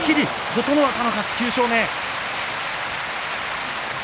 琴ノ若の勝ち、９勝目。